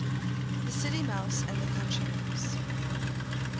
The City Mouse And The Country Mouse.